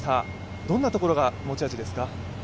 どんなところが持ち味ですか。